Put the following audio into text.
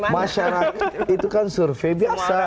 masyarakat itu kan survei biasa